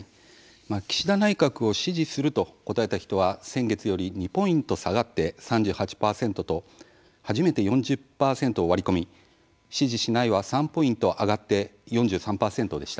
岸田内閣を「支持する」と答えた人は、先月より２ポイント下がって３８％と初めて４０％を割り込み「支持しない」は３ポイント上がって４３％でした。